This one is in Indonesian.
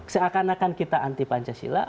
seakan akan kita anti pancasila